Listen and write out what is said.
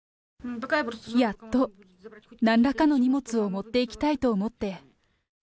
やっと、なんらかの荷物を持っていきたいと思って。